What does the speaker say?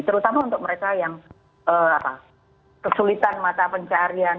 terutama untuk mereka yang kesulitan mata pencarian